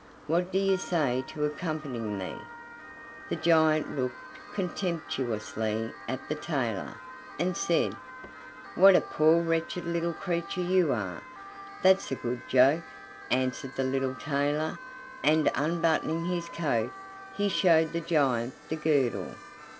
What do you say to accompanying me?" The giant looked contemptuously at the tailor, and said: "What a poor wretched little creature you are!" "That's a good joke," answered the little tailor, and unbuttoning his coat he showed the giant the girdle.